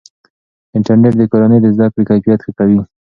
انټرنیټ د کورنۍ د زده کړې کیفیت ښه کوي.